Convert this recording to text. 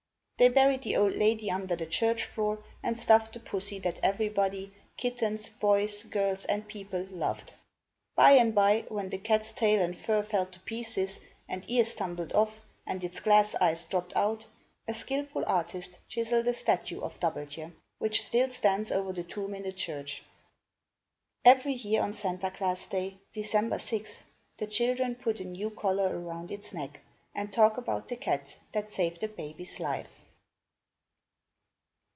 They buried the old lady under the church floor and stuffed the pussy that everybody, kittens, boys, girls and people loved. By and by, when the cat's tail and fur fell to pieces, and ears tumbled off, and its glass eyes dropped out, a skilful artist chiselled a statue of Dub belt je', which still stands over the tomb in the church. Every year, on Santa Klaas day, December sixth, the children put a new collar around its neck and talk about the cat that saved a baby's life.